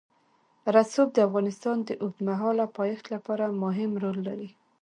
رسوب د افغانستان د اوږدمهاله پایښت لپاره مهم رول لري.